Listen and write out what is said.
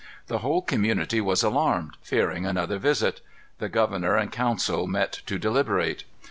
The whole community was alarmed, fearing another visit. The governor and council met to deliberate.